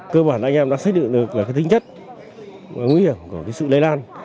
cơ bản là anh em đã xét được được cái tính chất nguy hiểm của sự lây lan